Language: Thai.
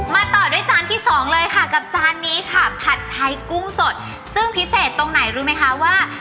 ต่อด้วยจานที่สองเลยค่ะกับจานนี้ค่ะผัดไทยกุ้งสดซึ่งพิเศษตรงไหนรู้ไหมคะว่า